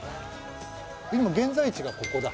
今現在地がここだ。